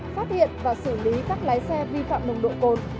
phát hiện và xử lý các lái xe vi phạm nồng độ cồn